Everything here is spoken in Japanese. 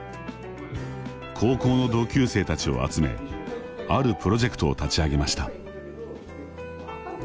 高校の同級生たちを集めあるプロジェクトを立ち上げました。